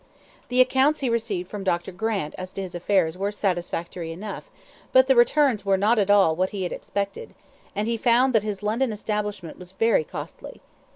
The accounts he received from Dr. Grant as to his affairs were satisfactory enough, but the returns were not at all what he had expected; and he found that his London establishment was very costly.